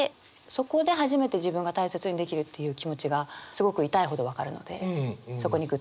そこで初めて自分が大切にできるっていう気持ちがすごく痛いほど分かるのでそこにぐっときましたね。